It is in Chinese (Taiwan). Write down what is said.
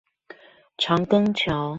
長庚橋